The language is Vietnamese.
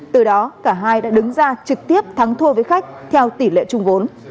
từ đó cả hai đã đứng ra trực tiếp thắng thua với khách theo tỷ lệ chung vốn